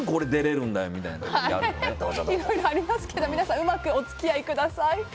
いろいろありますが、皆さんうまくお付き合いください。